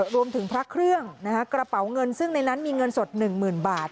รวมถึงพระเครื่องกระเป๋าเงินซึ่งในนั้นมีเงินสด๑๐๐๐บาท